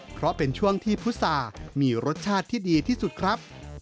เพราะเป็นช่วงที่พุษามีรสชาติที่ดีที่สุดครับ